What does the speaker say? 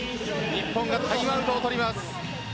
日本がタイムアウトを取ります。